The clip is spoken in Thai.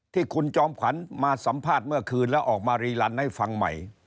ที่คุณจอมขวัญมาสัมภาษณ์เมื่อคืนแล้วออกมารีลันให้ฟังใหม่